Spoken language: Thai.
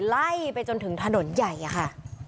ไล่ไปจนถึงถนนใหญ่อะค่ะ